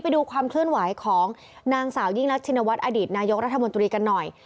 ไปดูความเคลื่อนไหวของนางสาวยิ่งรักชินวัฒน์อดีตนายกรัฐมนตรีกันหน่อย